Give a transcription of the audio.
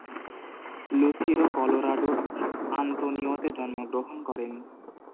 Lucero কলোরাডোর আন্তোনিওতে জন্মগ্রহণ করেন।